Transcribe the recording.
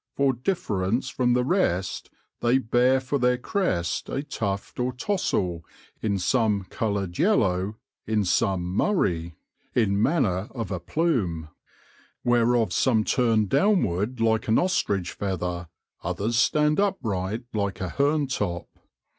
For differ ence from the rest they beare for their crest a tuft or tossel, in some coloured yellow, in some murrey, in 24 THE LORE OF THE HONEY BEE manner of a plume ; whereof some turne downward like an Ostrich feather, others stand upright like a Hern top.